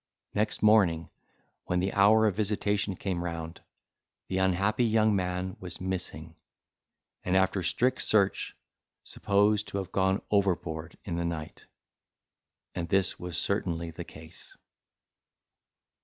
Next morning, when the hour of visitation came round, the unhappy young man was missing, and, after strict search, supposed to have gone overboard in the night; and this was certainly the case.